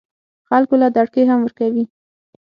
خلکو له دړکې هم ورکوي